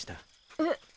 えっ？